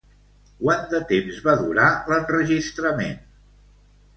Quant de temps va durar l'enregistrament?